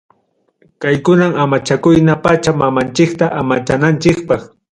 Kaykunam amachaykuna, pacha mamanchikta amachananchikpaq.